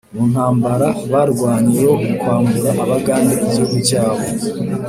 mu ntambara barwanye yo kwambura Abaganda igihugu cyabo.